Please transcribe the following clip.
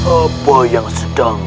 apa yang sedang